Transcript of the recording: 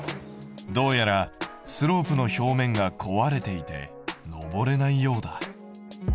どうやらスロープの表面が壊れていて上れないようだ。